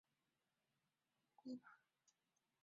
跟开店的姑妈一起住